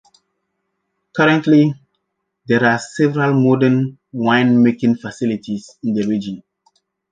Currently, there are several modern wine-making facilities in the region.